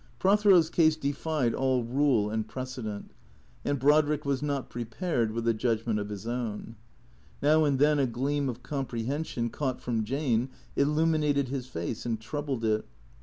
Prothero's case defied all rule and precedent, and Brodrick was not prepared with a judgment of his own. Now and then a gleam of comprehension, caught from Jane, illuminated his face and troubled it.